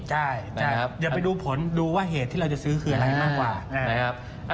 ใช่จะไปดูผลดูว่าเหตุที่เราจะซื้อคืออะไรมากกว่า